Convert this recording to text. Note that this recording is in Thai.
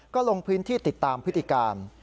ก็ลงพื้นที่ติดตามพฤติการ